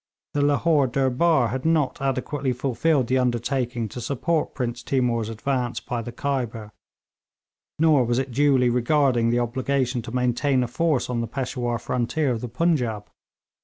The Lahore Durbar had not adequately fulfilled the undertaking to support Prince Timour's advance by the Khyber, nor was it duly regarding the obligation to maintain a force on the Peshawur frontier of the Punjaub.